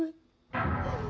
almilah pakai adikku